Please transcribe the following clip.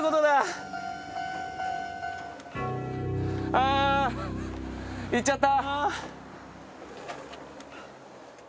あ行っちゃった。